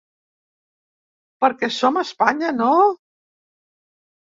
Perquè som a Espanya, no?